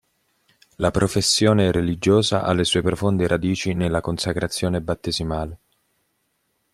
La professione religiosa ha le sue profonde radici nella consacrazione battesimale.